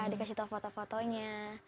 dikasih tau foto fotonya